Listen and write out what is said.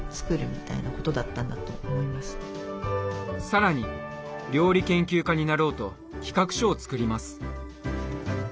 さらに料理研究家になろうと企画書を作ります。